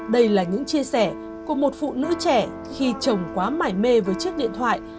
đây là những chia sẻ của một phụ nữ trẻ khi chồng quá mải mê với chiếc điện thoại